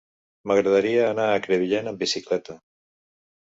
M'agradaria anar a Crevillent amb bicicleta.